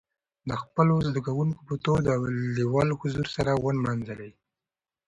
د خپلو زدهکوونکو په تود او لېوال حضور سره ونمانځلي.